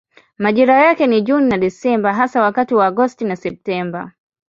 Majira yake ni Juni na Desemba hasa wakati wa Agosti na Septemba.